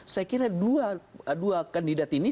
saya kira dua kandidat ini